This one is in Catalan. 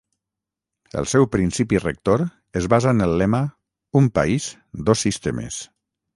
El seu principi rector es basa en el lema "Un país, dos sistemes".